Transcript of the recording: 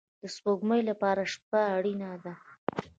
د سپوږمۍ لپاره شپه اړین ده